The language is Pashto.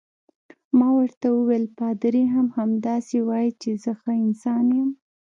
ما ورته وویل: پادري هم همداسې وایي چې زه ښه انسان یم.